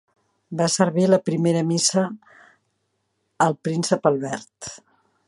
Va servir la primera missa al príncep Albert.